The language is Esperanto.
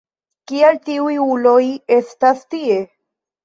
Kial tiuj uloj estas tie?